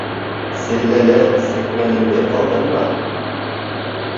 Селләлә сәкмәнеңде ҡалдырма.